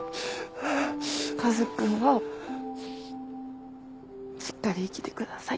カズくんはしっかり生きてください。